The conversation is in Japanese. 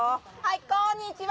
こんにちは！